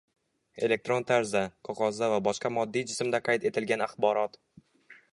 elektron tarzda, qog‘ozda va boshqa moddiy jismda qayd etilgan axborot;